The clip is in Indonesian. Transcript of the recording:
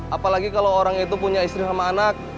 apalagi kalau orang itu punya istri sama anak